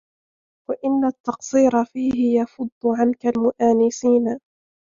وَإِنَّ التَّقْصِيرَ فِيهِ يَفُضُّ عَنْك الْمُؤَانِسِينَ